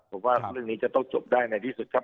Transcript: ผมว่าเรื่องนี้จะต้องจบได้ในที่สุดครับ